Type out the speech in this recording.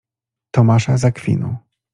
Tomasza z Akwinu.